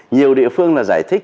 nhiều địa phương là giải thích